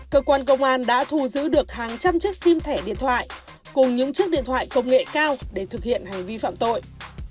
cơ quan công an đã thu giữ được hàng trăm chiếc sim thẻ điện thoại cùng những chiếc điện thoại công nghệ cao để thực hiện hành vi phạm tội